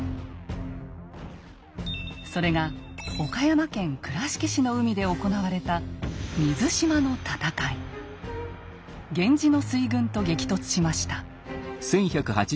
それが岡山県倉敷市の海で行われた源氏の水軍と激突しました。